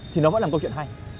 thì nó vẫn là một câu chuyện hay